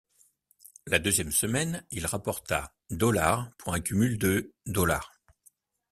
La deuxième semaine, il rapporta dollars pour un cumul de dollars.